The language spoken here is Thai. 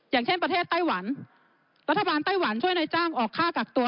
อย่างเช่นประเทศไต้หวันรัฐบาลไต้หวันช่วยในจ้างออกค่ากักตัว